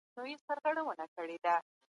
سوله له جګړې څخه غوره ده.